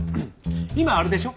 今あれでしょ？